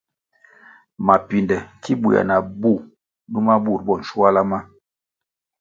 Mapinde ki buéah na bú numa bur bo nschuala ma.